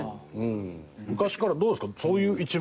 昔からどうですか？